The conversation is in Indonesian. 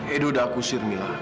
edo sudah aku usir mila